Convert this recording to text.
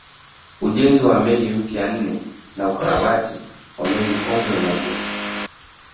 Ujenzi wa meli mpya nne na ukarabati wa meli kongwe moja